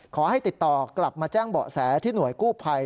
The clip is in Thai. ขอให้ติดต่อกลับมาแจ้งเบาะแสที่หน่วยกู้ภัย